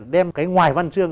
đem cái ngoài văn chương